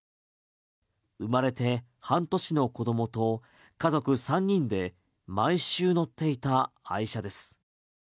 生まれて半年の子どもと家族３人で毎週乗っていた愛車です。